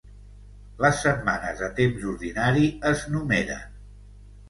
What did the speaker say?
Les setmanes de temps ordinari es numeren.